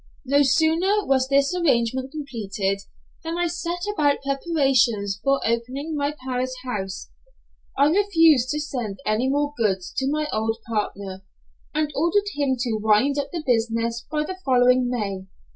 No sooner was this arrangement completed than I set about preparations for opening my Paris house. I refused to send any more goods to my old partner, and ordered him to wind up the business by the following May.